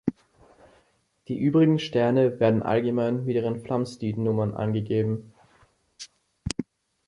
Die übrigen Sterne werden allgemein mit ihren Flamsteed-Nummern angegeben.